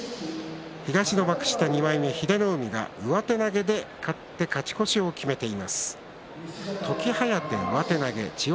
東幕下２枚目英乃海上手投げで勝って勝ち越しを決めました。